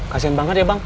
kasihan banget ya bang